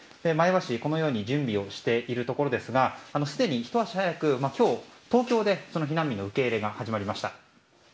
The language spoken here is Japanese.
前橋はこのように準備をしているところですがすでにひと足早く今日、東京で避難民の受け入れが始まりました。